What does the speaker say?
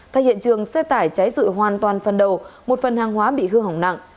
thay hiện trường xe tải cháy rụi hoàn toàn phần đầu một phần hàng hóa bị hư hỏng nặng